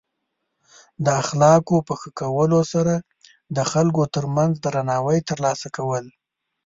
د اخلاقو په ښه کولو سره د خلکو ترمنځ درناوی ترلاسه کول.